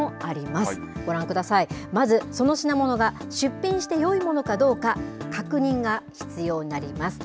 まず、その品物が出品してよいものかどうか確認が必要になります。